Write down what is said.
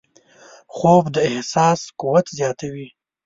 خوب د احساس قوت زیاتوي